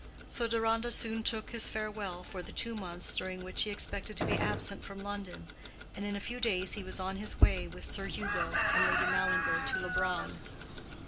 So Deronda soon took his farewell for the two months during which he expected to be absent from London, and in a few days he was on his way with Sir Hugo and Lady Mallinger to Leubronn.